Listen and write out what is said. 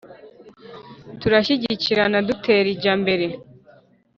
turashyigikirana dutera ijya mbere